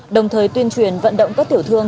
đồng thời tuyên truyền vận động các tiểu thương